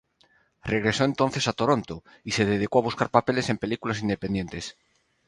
Regresó entonces a Toronto y se dedicó a buscar papeles en películas independientes.